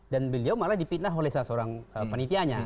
dan beliau malah dipitnah oleh seseorang penitianya